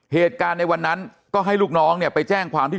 เหตุการณ์ในวันนั้นก็ให้ลูกน้องเนี่ยไปแจ้งความที่